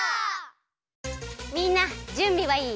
みんなじゅんびはいい？